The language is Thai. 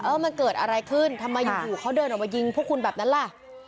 มันเกิดอะไรขึ้นทำไมอยู่เขาเดินออกมายิงพวกคุณแบบนั้นล่ะ